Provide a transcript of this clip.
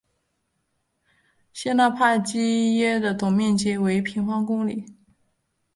谢讷帕基耶的总面积为平方公里。